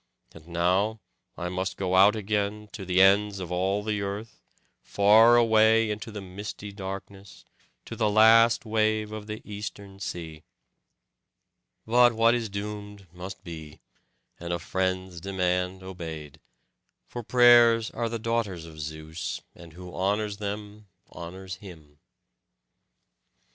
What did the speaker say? And now I must go out again, to the ends of all the earth, far away into the misty darkness, to the last wave of the Eastern Sea. But what is doomed must be, and a friend's demand obeyed; for prayers are the daughters of Zeus, and who honours them honours him."